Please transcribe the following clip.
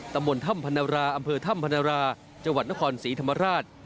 ตำบลถ้ำพนราอำเภอถ้ำพนราจังหวัดนครศรีธรรมราช